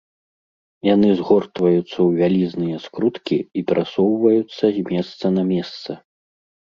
Яны згортваюцца ў вялізныя скруткі і перасоўваюцца з месца на месца.